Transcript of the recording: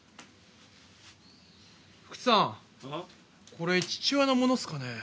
これ父親のものっすかね？